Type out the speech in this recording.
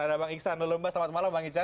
ada bang iksan lelemba selamat malam bang iksan